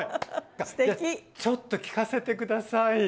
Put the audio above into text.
ちょっと聴かせて下さい。